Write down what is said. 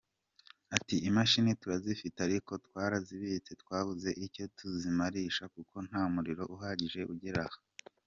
Ati ”Imashini turazifite ariko twarazibitse twabuze icyo tuzimarisha kuko nta muriro uhagije ugera aha.